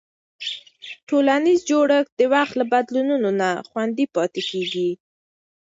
ټولنیز جوړښت د وخت له بدلونونو نه خوندي پاتې کېږي.